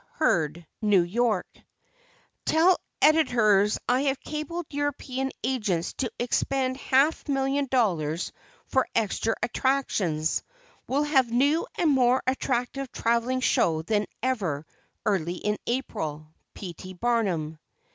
HURD, New York: Tell editors I have cabled European agents to expend half million dollars for extra attractions; will have new and more attractive travelling show than ever early in April. P. T. BARNUM.